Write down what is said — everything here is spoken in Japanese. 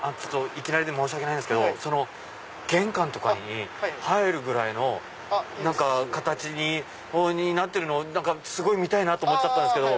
いきなりで申し訳ないんですけど玄関とかに入るぐらいの形になってるのすごい見たいと思ったんですけど。